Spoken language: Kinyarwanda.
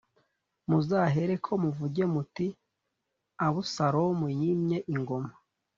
muzahereko muvuge muti “Abusalomu yimye ingoma”